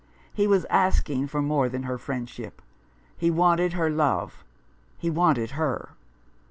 He was asking for more than her friendship — he wanted her love, he wanted her.